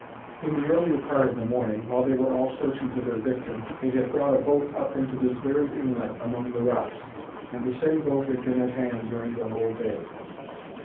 In the earlier part of the morning, while they were all searching for their victim, they had brought a boat up into this very inlet among the rocks; and the same boat had been at hand during the whole day.